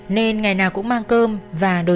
nên ngày nào cũng không có gì để làm được